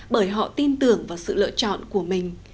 bởi họ tin tưởng vào sự lựa chọn của mình